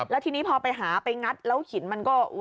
แล้วทีนี้พอไปหาไปงัดแล้วหินมันก็